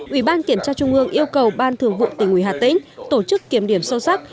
ủy ban kiểm tra trung ương yêu cầu ban thường vụ tỉnh ủy hà tĩnh tổ chức kiểm điểm sâu sắc